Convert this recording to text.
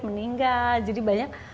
meninggal jadi banyak